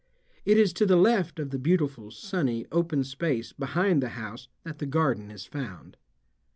It is to the left of the beautiful, sunny, open space behind the house that the garden is found.